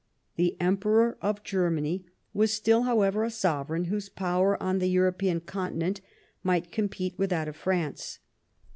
The Emperor of (Jermany was still, however, a sovereign whose power on the European continent might compete with that of France.